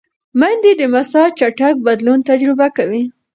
مېندې د مزاج چټک بدلون تجربه کوي.